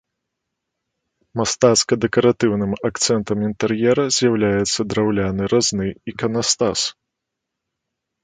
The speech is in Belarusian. Мастацка-дэкаратыўным акцэнтам інтэр'ера з'яўляецца драўляны разны іканастас.